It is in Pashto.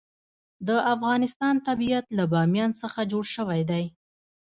د افغانستان طبیعت له بامیان څخه جوړ شوی دی.